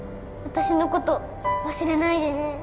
私のこと忘れないでね